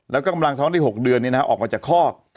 แล้วก็กำลังท้องได้หกเดือนเนี่ยนะฮะออกมาจากคอก